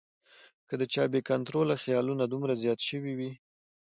کۀ د چا بې کنټروله خیالونه دومره زيات شوي وي